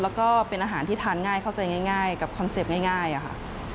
แล้วก็เป็นอาหารที่ทานง่ายเข้าใจง่ายกับคอนเซ็ปต์ง่ายค่ะ